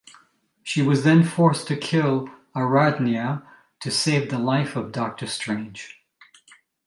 She was then forced to kill Aradnea to save the life of Doctor Strange.